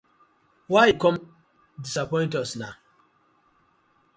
Wai you come us disappoint?